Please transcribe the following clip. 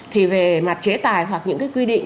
thì về mặt chế tài hoặc những cái quy định